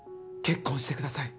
結婚してください。